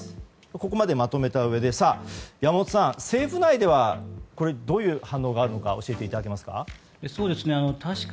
ここまでまとめたうえで山本さん、政府内ではどういう反応があるのか教えていただけますか。